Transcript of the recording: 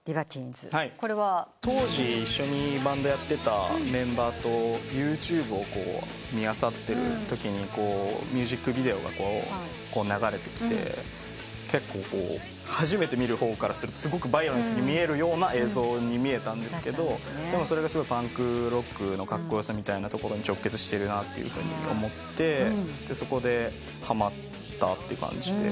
当時一緒にバンドやってたメンバーとＹｏｕＴｕｂｅを見あさってるときにミュージックビデオが流れてきて結構初めて見る方からするとすごくバイオレンスに見えるような映像に見えたんですがでもそれがパンクロックのカッコよさみたいなところに直結してるなと思ってそこではまったって感じで。